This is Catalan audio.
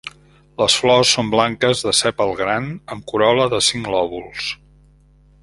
Les flors són blanques de sèpal gran amb corol·la de cinc lòbuls.